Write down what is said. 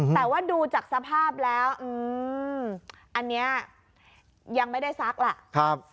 แต่ว่าดูจากสภาพแล้วอันนี้ยังไม่ได้ซักล่ะ